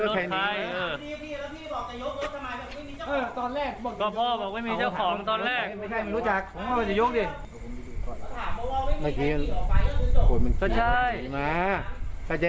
ก็นั่นแหละ